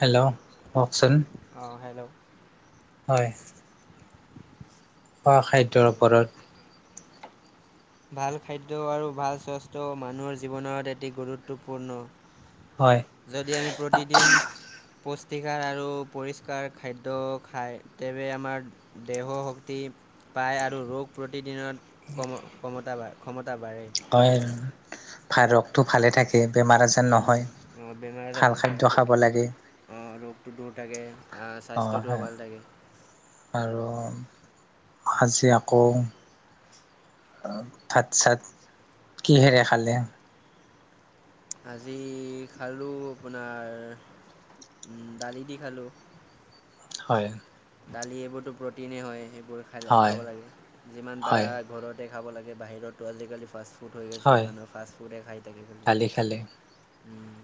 Hello কওঁকচোন। অঁ hello. হয়, অ, খাদ্যৰ ওপৰত। ভাল খাদ্য আৰু ভাল স্বাস্থ্য মানুহৰ জীৱনত এটি গুৰুত্বপূৰ্ণ। হয়, যদি আমি প্ৰতিদিন পুষ্টিকৰ আৰু পৰিষ্কাৰ খাদ্য খায় আমাৰ। দেহ শক্তি পায় আৰু ৰোগ প্ৰতিদিনত- কম ক্ষমতা বা ক্ষমতা বাঢ়েই। ভাল ফাইৰসটো ভালে থাকে। এ বেমাৰ আজাৰ নহয়, অঁ বেমাৰ আজাৰ ভাল নহয় খাদ্য এইটো। খাব লাগে। অঁ, ৰোগটো দূৰ থাকে। অ স্বাস্থ্যটোও হে ভাল থাকে আৰু আজি আকৌ ভাত চাত কিহেৰে খালে? আজি খালোঁ আপোনাৰ দালি দি খালোঁ। হয়। দালি এইবোৰতো প্ৰটিনেই হয়। সেইবোৰ খ হয় খাব লাগে যিমান পাৰে হয় ঘৰত। ততে খাব লাগে বাহিৰতো আজিকালি ফাষ্ট ফুড হৈ গৈছে মানুহে ফাষ্ট ফুডে খাই থাকে খালি। এইফালে উম,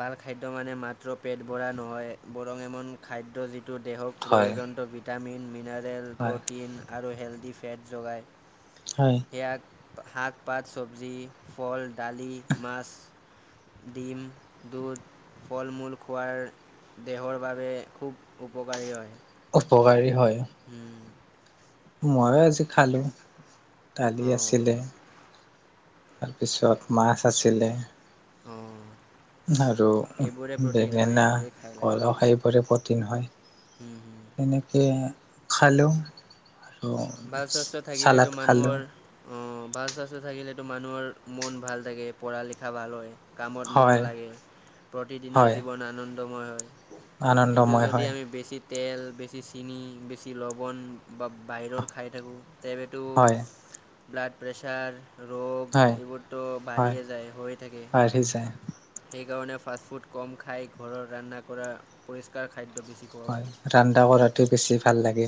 ভাল খাদ্য মানে মাত্ৰ পেট ভৰা নহয়, বৰং এন খাদ্য যিটো দেহক হয় প্ৰয়োজনন্ত ভিটামিন মিনাৰেল হয় প্ৰ'টিন আৰু হেলডী ফেট যোগায়। হয়। সেয়াক শাক- পাত, চবজি, ফল, দালি, মাছ দিম দুধ, ফল- মূল খোৱাৰ দেহৰ বাবে খুব উপকাৰী হয়। উপকাৰী হয়। উম। মইও আজি খালোঁ, কালি অঁ আছিলে। তাৰপিছত মাছ আছিলে। অঁ। আৰু এইবোৰে প্ৰ'টিন হয় বেঙেনা, এইবোৰে খাই লাগিব কলস বোলে এইবোৰে প্ৰটিন হয়। হুম হুম তেনেকৈ খালোঁ। আৰু ভাল স্বাস্থ্য থাকিলেতো চালাড খালোঁ মানুহৰ অঁ ভাল স্বাস্থ্য থাকিলেতো মানুহৰ মন ভাল থাকে, পঢ়া লিখা ভাল হয়। কামত মন হয় লাগে, প্ৰতিদিনৰ হয় জীৱন আনন্দময় হয়। কিন্তু আনন্দময় যদি হয় আমি বেছি তেল বেছি চিনি, বেছি লৱণ বা বাহিৰৰ খাই থাকোঁ তেৱে টো হয় ব্লাড প্ৰেছাৰ ৰোগ হয় এইবোৰতো হয় বাঢ়িয়ে যায় হৈ থাকে। [unintelligible] যায়। সেইকাৰণে ফাষ্টফুড কম খাই ঘৰত ৰান্ধা কৰা পৰিষ্কাৰ খাদ্য বেছি খোৱা উচিত হয়, ৰান্ধা কৰাটো বেছি ভাল লাগে।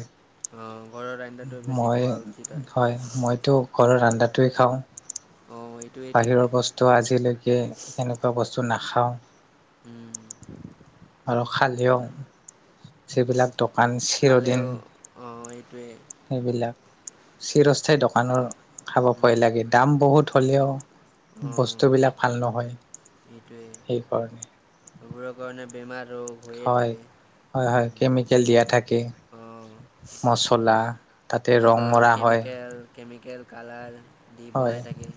অঁ ঘৰৰ আঞ্জাটো বেছি মই, খোৱা উচিত হয় মইতো ঘৰৰ ৰন্ধাটোৱেই খাওঁ, অঁ এইটোৱেই ঠিক বাহিৰৰ বস তো আজিলৈকে তেনেকুৱা বস্তু নাখাওঁ। উম। আৰু খালেং যিবিলাক দোকান চিৰদিন খালেও অঁ এইটোৱে। সেইবিলাক চিৰস্থায়ী দোকানৰ খাব ভয় লাগি দাম বহুত হ'লেও অঁ বস্তুবিলাক ভাল নহয় সেইকাৰণে। সেইবোৰৰ কাৰণে বেমাৰ ৰোগ হৈয়ে হয় থাকে। হয়, হয় কেমিকেল দিয়া থাকে। অঁ, মচলা তাতে ৰং কিমান ধৰণৰ মৰা হয় কেমিকেল কেমিকেল কালাৰ দি বনাই থাকে।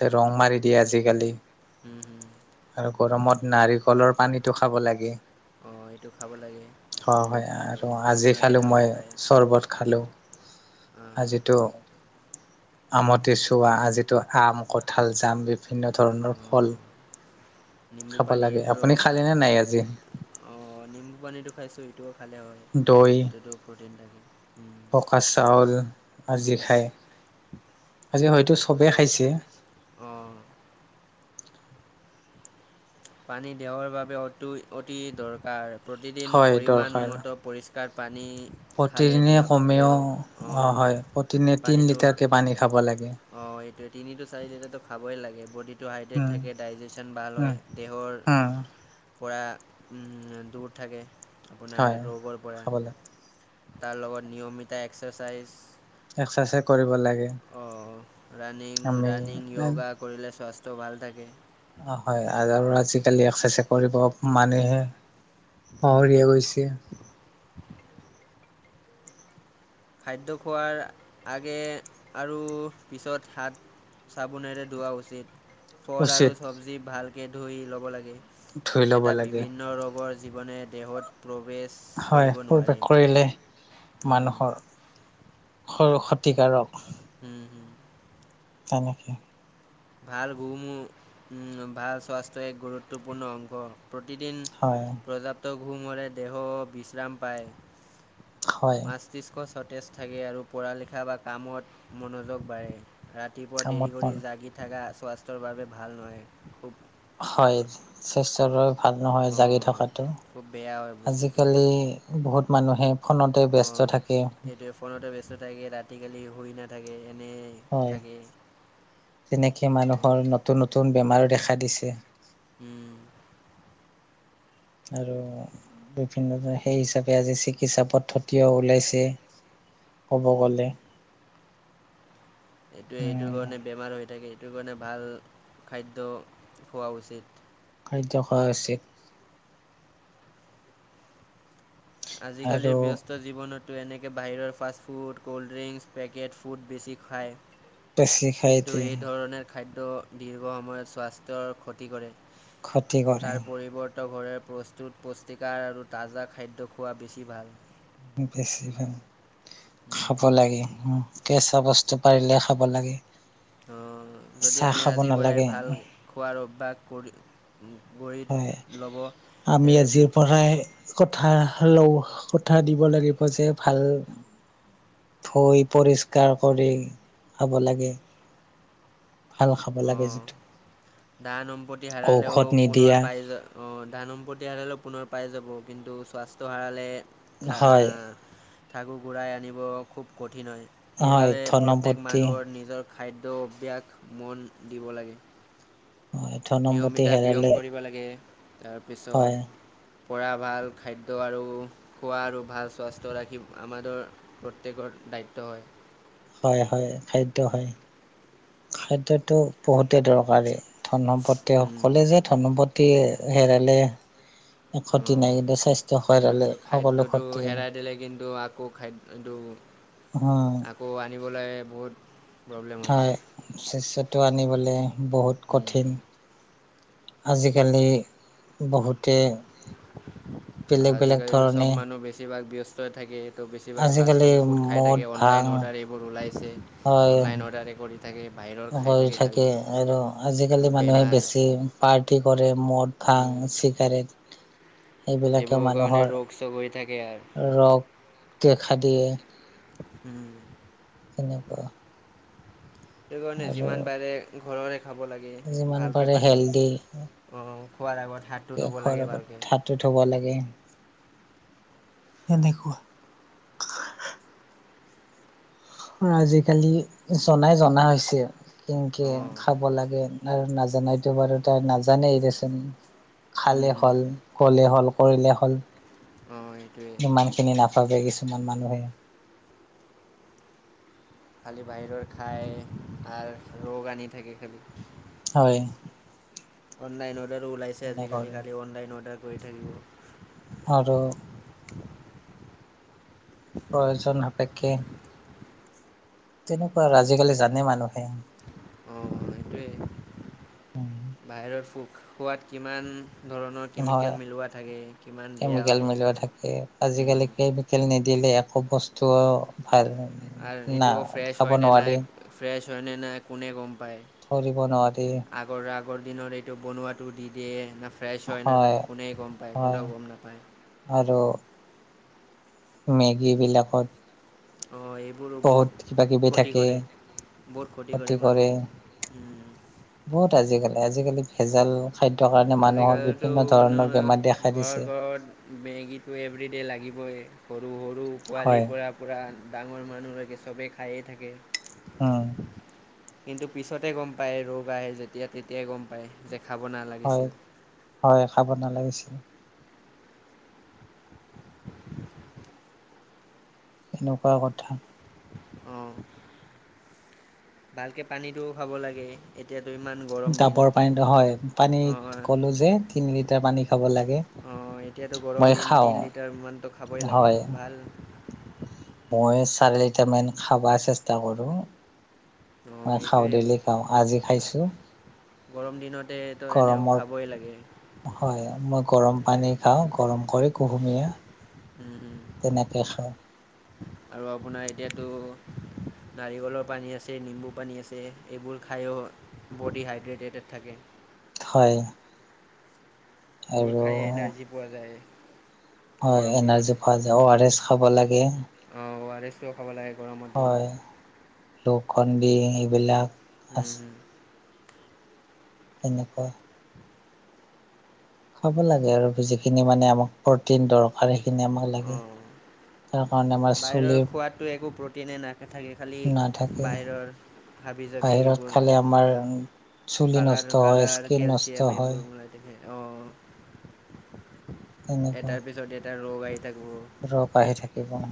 ত ৰং মাৰি দিয়ে আজিকালি। উম, হুম। আৰু গৰমত নাৰিকলৰ পানীটো খাব লাগে। অঁ এইটো খাব লাগে হয় এইটো হয় খালে আৰু আজি আপোনাৰ খালো এনাৰ্জি মই পায় চৰ্বত খালো। অঁ আজিটো আমটি চোৱা আজিতো আম, কঠাল, জাম বিভিন্ন ধৰণৰ ফল অঁ নিম্বু খাব পানী লাগে এইবোৰো আপুনি খা খালেনে নাই আজি অঁ নিম্বু পানীটো খাইছোঁ সেইটোও খালে হয়। দৈ, এইটোতো প্ৰ'টিন থাকে উম। পকা চাউল আজি খায়, আজি হয়তো চবেই খাইছে। অঁ। পানী দেহৰ বাবে অতোই অতি দৰকাৰ, প্ৰতিদিন হয় পৰিমাণ দৰকাৰ মত পৰিষ কাৰ পানী খালে প্ৰতিদিনে দেহ কমেও, দেহ অ অঁ হয় প্ৰতিদিনে তিনি পানীটো লিটাৰকে পানী খাব লাগে। অঁ এইটোৱে তিনি টো চাৰি লিটাৰটো খাবই লাগে বডিটো হাইড্ৰেট উম থাকে, ডাইজেচন ভাল উম হয় দেহৰ উম। পৰা দূৰ থাকে আপোনাৰ হয় ৰৌগৰ পৰা। খাব লাগে তাৰ লগত নিয়মিয়া এক্সাৰচাইজ। এক্সাৰচাইজ কৰিব লাগে। ৰাণিং আমি ৰাণিং ইয়োগা কৰিলে স্বাস্থ্য ভাল থাকে। অ হয় আৰু আৰু আজিকালি এক্সাৰচাইজ কৰিব মানেহে। উম, পাহৰিয়ে গৈছে। খাদ্য খোৱাৰ আগে আৰু পিছত হাত। চাবোনেৰে ধোৱা উচিত ফল উচিত আৰু চব্জি ভালকে ধুই ল'ব লাগে। ধুই ল'ব এটা লাগে বিভিন্ন ৰোগৰ জীৱনে দেহত প্ৰৱেশ। হয় কৰিব প্ৰৱেশ নোৱাৰে। কৰিলে মানুহৰ ক্ষতিকাৰক। উম। তেনেকে। ভাল গুমূ ভাল স্বাস্থ্যৰ এক গুৰুত্বপূৰ্ণ অংশ। প্ৰতিদিন হয় পৰ্যাপ্ত ঘুমৰে দেহ বিশ্ৰাম পায়। হয় মস্তিষ্ক সতেজ থাকে আৰু পঢ়ালিখা বা কামত মনোযোগ বাঢ়ে। ৰাতিপুৱা দেৰি কামত কৰি মন জাগি থাকা স্বাস্থ্যৰ বাবে ভাল নহয়। খুব হয় স্বাস্থ্যৰ ভাল নহয় জাগি অঁ থকাটো। খুব বেয়া হয় বস্তুটো আজিকালি বহুত মানুহে ফোনতে ব্যস্ত থাকে। ফোনেতো ব্যস্ত থাকে ৰাতি কালি শুই নাথাকে এনেই। হয় থাকে তেনেকে মানুহৰ নতুন নতুন বেমাৰো দেখা দিছে। উম। আৰু বিভিন্ন সেই হিচাপে আজি চিকিৎসা পদ্ধতিও ওলাইছে। ক'ব গ'লে। [unintelligible] এইটোৱে এইটো উম, কাৰণে বেমাৰ হৈ থাকে এইটো কাৰণে ভাল খাদ্য খোৱা উচিত। খাদ্য খোৱা উচিত। আৰু আজিকালিৰ ব্যস্ত। যষ্ট জীৱনতো এনেকৈ বাহিৰৰ fast food cold drinks packet food বেছি খায়। বেছি খাই কিন্তু এই ধৰণৰ খাদ্য দীৰ্ঘসময়ত স্বাস্থ্যৰ ক্ষতি কৰে। ক্ষতি কৰে তাৰ পৰিৱৰ্ত কৰে প্ৰ। টোত পুষ্টিকাৰ আৰু তাজা খাদ্য খোৱা বেছি ভাল। বেছি ভাগ। খাব লাগে কেঁচা বস্তু পাৰিলে খাব লাগে। যদি চাহ খাব আজিৰ নালাগে পৰাই খোৱাৰ অভ্যাস কৰি। গঢ়ি হয়। ল'ব, আমি আজিৰ তেন্তে পৰাই - কথা লওঁ কথা দিব লাগিব যে ভাল। ধুই পৰিষ্কাৰ কৰি খাব লাগে। ভাল খাব লাগে অ', যিটো ধান সম্পত্তি হেৰালেও ঔষধ পুনৰ নিদিয়া পাই যা অ', ধান সম্পত্তি হাৰালেও পুনৰ পাই যাব, কিন্তু স্বাস্থ্য হাৰালে ঠা, হয় ঠাকুৰ গুৰাই আনিব খুব কঠিন হয়। হয় সেইবাবে প্ৰত্যেক ধনপতি মানুহৰ নিজৰ খাদ্য অভ্যাস মন দিব লাগে। হয় ধনপতি নিয়মিতা ব্যায়াম হেৰালে কৰিব লাগে হয় তাৰপিছত পৰা ভাল খাদ্য আৰু খোৱা আৰু ভাল স্বাস্থ্য ৰাখি আমাৰ প্ৰত্যেকৰ দায়িত্ব হয়। হয়- হয় খাদ্য হয়, খাদ্যটো বহুতেই দৰকাৰী। ধনপতি উম, অকলে যে, ধনপতি হেৰালে- ক্ষতি নাই। অঁ কিন্তু স্বাস্থ্য ক্ষয় এইটো হ'লে কিন্তু সকলো খাদ্যটো ক্ষতি। হেৰাই দিলে কিন্তু আকৌ খাদ্যটো অহ। আকৌ আনিবলে বহুত। প্ৰব্লেম হৈ যায় হয় স্বাস্থ্যটো আনিবলৈ বহুত কঠিন। আজিকালি বহুতে- বেলেগ বেলেগ আজিকালিটো চব ধৰণে মানুহ বেছিভাগ ব্যস্তয়ে থাকে। তো বেছিভাগ ফাষ্ট আজিকালি ফুড খাই মদ থাকে ভাং অনলাইন অৰ্ডাৰ এইবোৰ ওলাইছে। অনলাইন অৰ্ডাৰে কৰি- থাকে বাহিৰত। হয় থাকে আৰু আজিকালি মানুহে বেমাৰ বেছি। পাৰ্টি কৰে মদ ভাং চিগাৰেট। এইবিলাকেও এইবোৰৰ কাৰণে মানুহৰ ৰোগ চোগ হৈ থাকে আৰু ৰগ দেখাই দিয়ে। উম। তেনেকুৱা সেইটো কাৰণে আৰু যিমান পাৰে ঘৰৰে খাব লাগে। কে যিমান ভালকে পাৰে পানী হেল্ডি অ খোৱাৰ আগত হাতটো ধুব লাগে ভালকে। টো থব লাগে। তেনেকুৱা। আজিকালি জনাই জনা হৈছে কেনকে অঁ খাব লাগে। আৰু নাজানাইতো বাৰু তাৰ নাজানেই দেচোন খালেই হ'ল ক'লে হ'ল। কৰিলে হ'ল। অঁ সেইটোৱে ইমানখিনি নাভাবে কিছুমান মানুহে। খালি বাহিৰৰ খাই, আৰু ৰোগ আনি থাকে খালি। হয়। অনলাইন অৰ্ডাৰো ওলাইছে এনে আজিকালি কৰে খালি অনলাইন অৰ্ডাৰ কৰি থাকিব। আৰু। প্ৰয়োজন সাপেক্ষে তেনেকুৱা আৰু আজিকালি জানে মানুহে। অ সেইটোৱে, বাহিৰৰ ফোক খোৱাত কিমান ধৰণৰ নহয় কেমিকেল মিলোৱা থাকে, কিমান বেয়া হয়। হৈ থাকে। আজিকালি কেমিকেল নিদিলে একো বস্তুও ভাল [unintelligible] আৰু না এইটোও ফ্ৰেছ খাব হয় নে নোৱাৰি নাই, ফ্ৰেছ হয় নে নাই, কোনে গম পায়। ধৰিব নোৱাৰি। আগৰ আগৰ দিনত এইটো বনোৱাটো দি দিয়ে না- ফ্ৰেছ হয় নে নাই কোনে গম পায় হয় কোনেও গম নাপায়। আৰু মেগীবিলাকত অঁ এইবোৰো- বহুত কিবা কিবি ক্ষতি থাকেই, কৰে বহুত ক্ষতি খতি কৰে। মানুহক বহুত আজিকালি, আজিকালি ভেজাল। খাদ্যৰ কাৰণে মানুহৰ আজিকালিতো বিভিন্ন ধৰণৰ মানুহে বেমাৰ দেখা ঘৰত দিছে। ঘৰত মেগীটো এভৰি ডে' লাগিবই সৰু সৰু হয় পোৱালিৰ পৰা। পূৰা ডাঙৰ মানুহ লৈকে চবেই খায়ে থাকে। অ। কিন্তু পিছতে গম পায় ৰোগ আহে যেতিয়া, তেতিয়াই গম পায় যে খাব হয় নালাগিছিল। হয় খাব নালাগিছিল। এনেকুৱা কথা। অঁ। ভালকে পানীটোও খাব লাগে এতিয়াতো ইমান গৰম দিন ডাবৰ পানীত হয়, অঁ পানীত ক'লো যে তিন লিটাৰ পানী খাব লাগে। অ', এতিয়াতো গৰম মই দিন খাওঁ তিনি লিটাৰমানতটো খাবই লাগে হয় অ', ভাল মই চাৰি লিটামান খাবা চেষ্টা কৰোঁ। অঁ মই খাওঁ এইটোৱে ডেইলি খাও আজি খাইছোঁ। গৰম দিনতে এতো এনেও খাবই লাগে। হয়, মই গৰম পানী খাওঁ গৰম কৰি কুহুমীয়া। উম, তেনেকে খাওঁ আৰু আপোনাৰ এতিয়াতো নাৰিকলৰ পানী আছে, নিম্বু পানী আছে, এইবোৰ খায়ো বডি হাইড্ৰেটেটেড থাকে। হয়। বোৰ আৰু খায়ে এনাৰ্জি পোৱা যায়। হয়, গৰম দিনতে এনাৰ্জি পোৱা যায় অ', আৰ এছ খাব লাগে। অ', ও আৰ এছ টো খাব লাগে গৰমৰ হয় দিনত। [unintelligible] এইবিলাক আছ তেনেকুৱা খাব লাগে আৰু, যিখিনি মানে আমাক প্ৰটিন দৰকাৰ সেইখিনি আমাক লাগে। অঁ তাৰকাৰণে আমাৰ চুলি বাহিৰৰ খোৱাতটো একো প্ৰটিনে নাথাকে খালি নাথাকে বাহিৰৰ হাবি জাবি এইবোৰ মাৰ কালাৰ কালাৰ কেলচিয়াম হয় এইবোৰ মানে অ', তেনেকুৱা এটাৰ পিছত এটা ৰোগ আহ়ি থাকিব। ৰোগ আহি থাকে ন?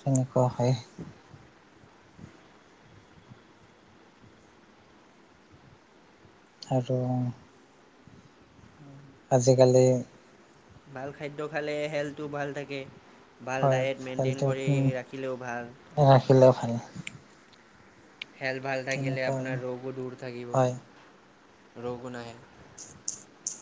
তেনেকুৱা হয়ে। আৰু আজি কালি ভাল খাদ্য খালে হেল্থটো ভাল থাকে। ভাল হয় ডায়েট মেইনটেইন কৰি ৰাখিলেও ভাল। অ', ৰাখিলে ভাল। হেল্থ ভাল থাকিলে তেনেকুৱা আৰু আপোনাৰ ৰোগো দূৰ থাকিব, হয়। ৰোগো নাহে। [inaudible]